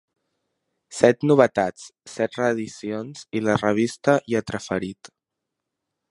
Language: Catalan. Set novetats, set reedicions i la revista ‘Lletraferit’.